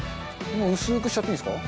薄くしちゃっていいんですか。